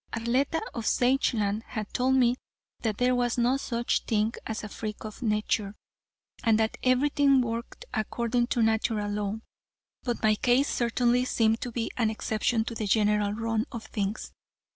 Arletta of Sageland had told me that there was no such thing as a freak of nature, and that everything worked according to Natural Law, but my case certainly seemed to be an exception to the general run of things.